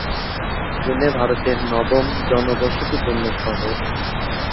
পুনে ভারতের নবম জনবসতিপূর্ণ শহর।